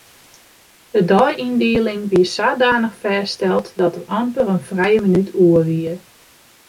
De deiyndieling wie sadanich fêststeld dat der amper in frije minút oer wie.